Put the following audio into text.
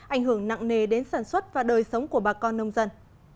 ảnh hưởng nặng nề đến sản xuất và đời sống của bà con nông dân